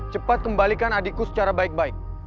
cepat kembalikan adikku secara baik baik